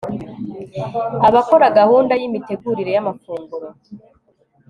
Abakora gahunda yimitegurire yamafunguro